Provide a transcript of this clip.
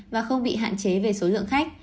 và không bị hạn chế về số lượng khách